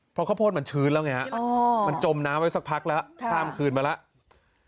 เพราะข้าวโพดมันชื้นแล้วไงฮะมันจมน้ำไว้สักพักแล้วข้ามคืนมาแล้ว